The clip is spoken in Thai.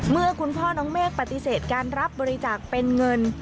เมื่อคุณพ่อน้องเมฆปฏิเสธการรับบริจาคเป็นเงิน